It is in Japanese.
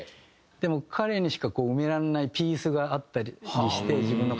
でも彼にしか埋められないピースがあったりして自分の体の中に。